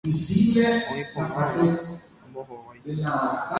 Oĩ porã mama, ambohovái.